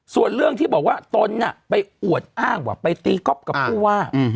ส่วนเรื่องที่บอกว่าตนไปอวดอ้างว่าไปตีก๊อฟกับผู้ว่า